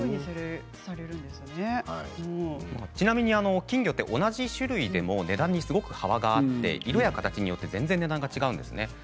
ちなみに金魚は同じ種類でも、値段に幅があって色や形によって値段が全然違うんですね。